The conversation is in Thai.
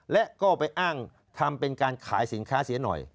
และก็ไปอ้างทำเป็นการขายสินค้าเสียหน่อย